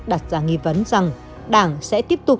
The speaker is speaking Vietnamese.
đặt ra nghi vấn rằng đảng sẽ tiếp tục